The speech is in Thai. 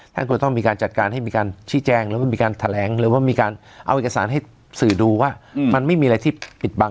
ท่านก็จะต้องมีการจัดการให้มีการชี้แจงหรือว่ามีการแถลงหรือว่ามีการเอาเอกสารให้สื่อดูว่ามันไม่มีอะไรที่ปิดบัง